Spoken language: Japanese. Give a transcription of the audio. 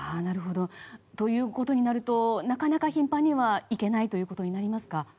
ということになるとなかなか頻繁には行けないということになりますか。